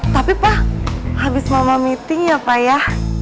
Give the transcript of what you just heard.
tapi pa habis mama meeting ya pa ya